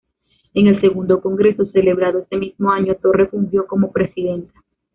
En el segundo Congreso, celebrado ese mismo año, Torre fungió como presidenta.